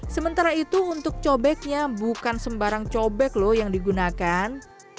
sementara itu untuk cobeknya bukan sembarang cobek loh yang digunakan